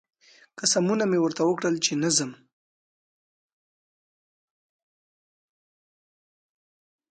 قسمونه مې ورته وکړل چې نه ځم